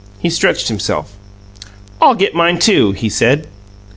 He stretched himself. "I'll get mine, too," he said.